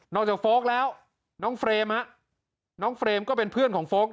จากโฟลกแล้วน้องเฟรมน้องเฟรมก็เป็นเพื่อนของโฟลก